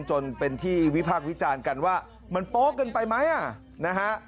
จนเป็นที่วิพากษ์วิจารณ์กันว่ามันโป๊ะเกินไปไหมนะฮะ